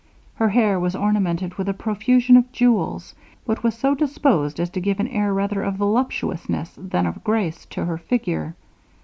Her hair was ornamented with a profusion of jewels, but was so disposed as to give an air rather of voluptuousness than of grace, to her figure.